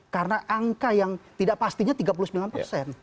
karena angka yang tidak pastinya tiga puluh sembilan persen